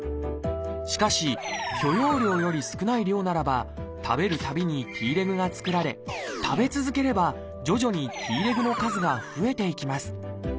しかし許容量より少ない量ならば食べるたびにＴレグが作られ食べ続ければ徐々にＴレグの数が増えていきます。